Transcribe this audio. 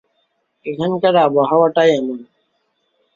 এখানকার আবহাওয়াটাই এমন।